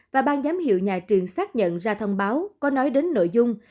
và ban giám hiệu nhà trường xác nhận ra thông báo có nói đến nội dung